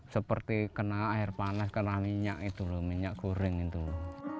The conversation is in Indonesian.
seperti kena air panas kena minyak itu loh minyak goreng itu